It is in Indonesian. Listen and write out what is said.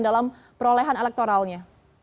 dalam perolehan elektoralnya